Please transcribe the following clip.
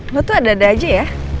gue tuh ada ada aja ya